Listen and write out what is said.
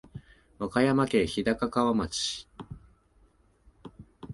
和歌山県日高川町